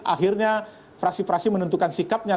akhirnya fraksi fraksi menentukan sikapnya